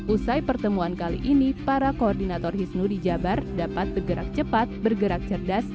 usai pertemuan kali ini para koordinator hisnu di jabar dapat bergerak cepat bergerak cerdas